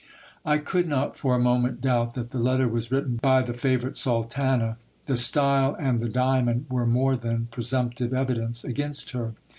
" I could not for a moment doubt that the letter was written by the favourite sultana ; the style and the diamond were more than presumptive evidence against her.